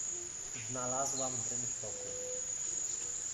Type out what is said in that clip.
— Znalazłam w rynsztoku.